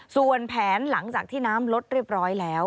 ส่วนแผนหลังจากที่น้ำลดเรียบร้อยแล้ว